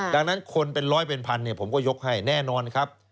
ดังนั้นคนเป็นร้อยเป็นพันเนี่ยผมก็ยกให้แน่นอนครับ